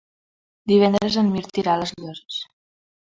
Divendres en Mirt irà a les Llosses.